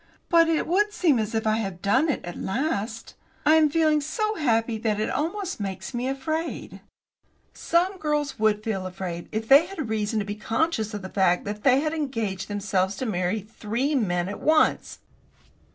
"But it would seem as if I had done it at last. I am feeling so happy that it almost makes me afraid." "Some girls would feel afraid if they had reason to be conscious of the fact that they had engaged themselves to marry three men at once."